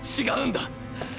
違うんだ！